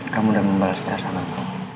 kamu udah membalas perasaan aku